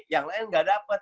yang lain nggak dapat